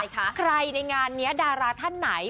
ใครในงานนี้ดาราท่านไหน